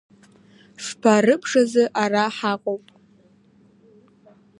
Фба рыбжазы ара ҳаҟоуп!